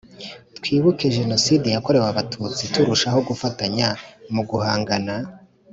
Twibuke Jenoside yakorewe Abatutsi turushaho gufatanya mu guhangana